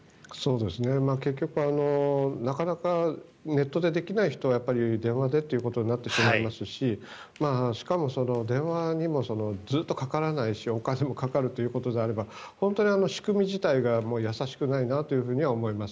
結局、なかなかネットでできない人は電話でということになってしまいますししかも電話にもずっとかからないしお金もかかるということであれば本当に仕組み自体が優しくないなとは思います。